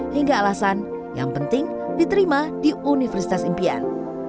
hingga alasan yang penting diterima di universitas impian